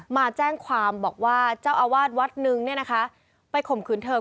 มาแจ้งความบอกว่าเจ้าอาวาสวัดหนึ่งไปข่มขืนเถอะ